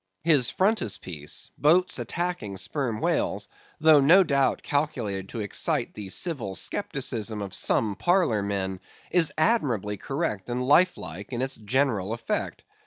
His frontispiece, boats attacking Sperm Whales, though no doubt calculated to excite the civil scepticism of some parlor men, is admirably correct and life like in its general effect.